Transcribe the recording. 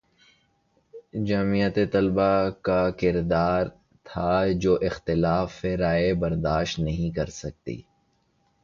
جمعیت طلبہ کا کردار تھا جو اختلاف رائے برداشت نہیں کر سکتی